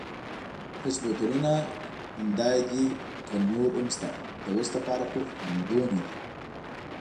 تش بوتلونه همدای دي که نور هم شته؟ د اوس لپاره خو همدومره دي.